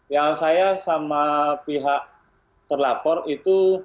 yang saya sama pihak terlapor itu